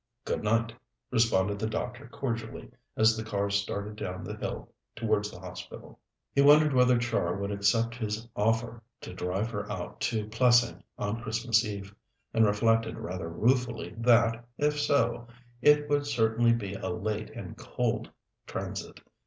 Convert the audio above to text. "Good night," responded the doctor cordially as the car started down the hill towards the Hospital. He wondered whether Char would accept his offer to drive her out to Plessing on Christmas Eve, and reflected rather ruefully that, if so, it would certainly be a late and cold transit.